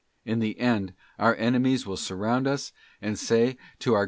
In the end our enemies will surround us and say to our great * Lam, iv.